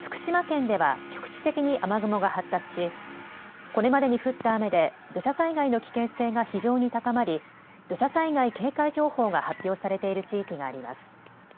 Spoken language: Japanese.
福島県では局地的に雨雲が発達し、これまでに降った雨で、土砂災害の危険性が非常に高まり、土砂災害警戒情報が発表されている地域があります。